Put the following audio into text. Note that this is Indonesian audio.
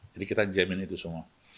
jadi kita jamin itu semua